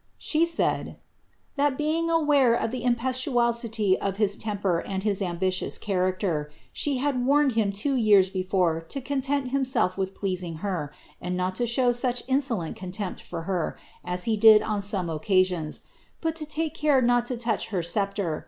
She said, " that being aware of the impetuosity of his temper and his ambitious character, she had warned him mo ytv before to content himself with pleasing her, and not to show mtb insolent contempt for her as he did on some occasions, but to lake cm not to touch her fceplre.